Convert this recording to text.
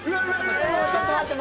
ちょっと待って！